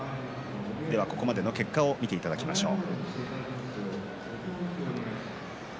ここまでの結果を見ていただきましょう。